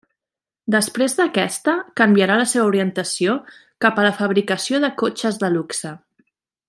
Després d'aquesta, canviarà la seva orientació cap a la fabricació de cotxes de luxe.